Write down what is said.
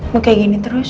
mau kayak gini terus